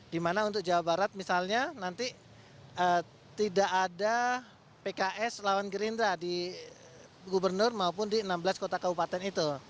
dimana untuk jawa barat misalnya nanti tidak ada pks lawan gerindra di gubernur maupun di enam belas kota kabupaten itu